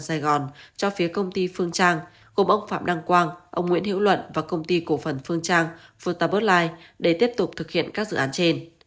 điển hình phía công ty phương trang gồm ông phạm đăng quang ông nguyễn hữu luận và công ty cổ phần phương trang phu ta bớt lai để tiếp tục thực hiện các dự án trên